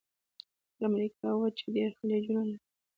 د امریکا وچه ډېر خلیجونه لري.